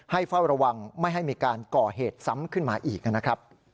ให้เฝ้าระวังไม่ให้มีการก่อเหตุซ้ำขึ้นมาอีก